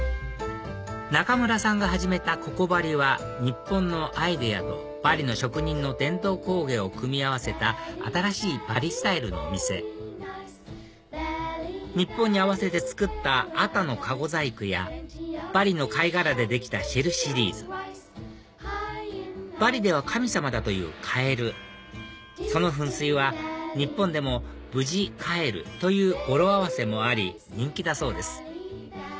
中村さんが始めたＣｏｃｏｂａｒｉは日本のアイデアとバリの職人の伝統工芸を組み合わせた新しいバリスタイルのお店日本に合わせて作ったアタのかご細工やバリの貝殻でできたシェルシリーズバリでは神様だというカエルその噴水は日本でも「無事カエル」という語呂合わせもあり人気だそうです